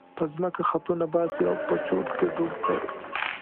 په ځمکه خطونه باسي او په چورت کې ډوب دی.